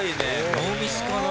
ノーミスかな？